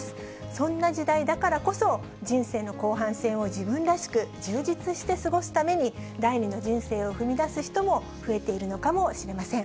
そんな時代だからこそ、人生の後半戦を自分らしく充実して過ごすために、第２の人生を踏み出す人も増えているのかもしれません。